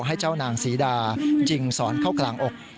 ให้เจ้านางศรีดายิงสอนเข้ากลางอก